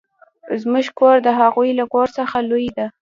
زموږ کور د هغوې له کور څخه لوي ده.